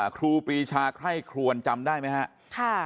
ครูปีชาไคร่ครวนจำได้ไหมครับ